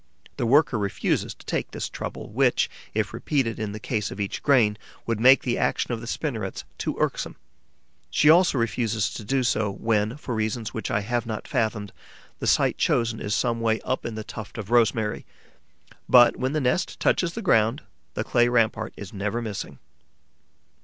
The worker refuses to take this trouble, which, if repeated in the case of each grain, would make the action of the spinnerets too irksome. She also refuses to do so when, for reasons which I have not fathomed, the site chosen is some way up in the tuft of rosemary. But, when the nest touches the ground, the clay rampart is never missing.